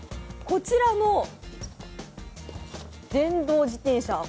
こちらの電動自転車